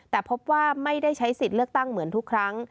แต่พบว่าไม่ได้ใช้สิทธิ์เลือกตั้งเหมือนทุกครั้ง